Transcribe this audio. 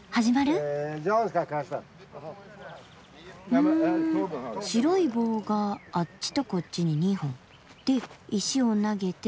ふん白い棒があっちとこっちに２本。で石を投げて。